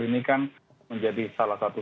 ini kan menjadi salah satu